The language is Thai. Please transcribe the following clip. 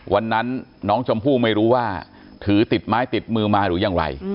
วันนั้นน้องชมพู่ไม่รู้ว่าถือติดไม้ติดมือมาหรือยังไร